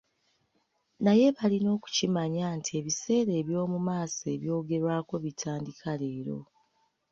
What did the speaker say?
Naye balina okukimanya nti ebiseera eby'omumaaso ebyogerwako bitandika leero .